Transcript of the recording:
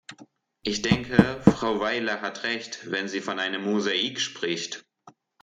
Ich denke, Frau Weiler hat Recht, wenn sie von einem Mosaik spricht.